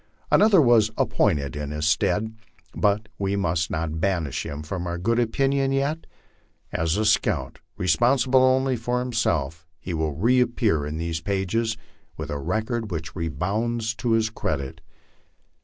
Another was appointed in his stead, but we must not banish him from our good opinion yet. As a scout, responsible only for himself, he will reappear in tnese pages with a record which redounds to his credit.